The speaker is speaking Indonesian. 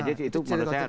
jadi itu menurut saya ada